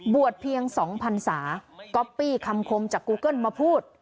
เพียง๒พันศาก๊อปปี้คำคมจากกูเกิ้ลมาพูด